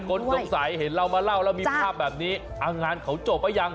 คนสงสัยเห็นเรามาเล่าแล้วมีภาพแบบนี้งานเขาจบหรือยัง